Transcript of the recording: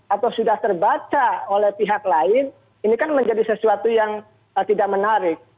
atau sudah terbaca oleh pihak lain ini kan menjadi sesuatu yang tidak menarik